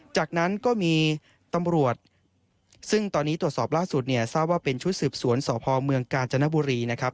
จากนั้นก็มีตำรวจซึ่งตอนนี้ตรวจสอบล่าสุดเนี่ยทราบว่าเป็นชุดสืบสวนสพเมืองกาญจนบุรีนะครับ